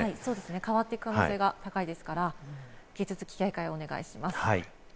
変わっていく可能性が高いですから引き続き警戒をお願いします。